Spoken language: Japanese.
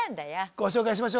ご紹介しましょうか？